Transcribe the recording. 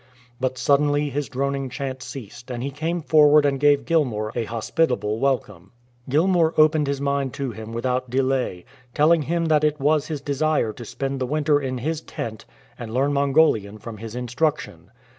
But suddenly his droning chant ceased, and he came forward and gave Gilmour a hospitable wel come. Gilmour opened his mind to him without delay, telling him that it was his desire to spend the winter in his tent and learn Mongolian from his instruction.